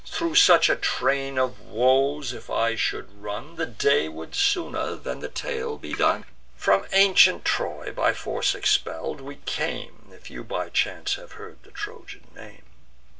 Thro' such a train of woes if I should run, The day would sooner than the tale be done! From ancient Troy, by force expell'd, we came, If you by chance have heard the Trojan name.